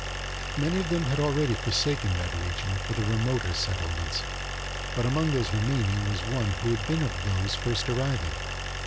Many of them had already forsaken that region for the remoter settlements, but among those remaining was one who had been of those first arriving.